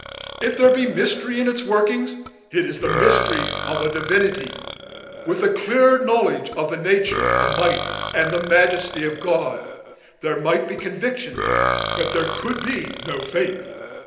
If there be mystery in its workings, it is the mystery of a Divinity. With a clear knowledge of the nature, the might, and the majesty of God, there might be conviction, but there could be no faith.